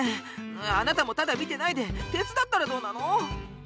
あなたもただ見てないで手伝ったらどうなの！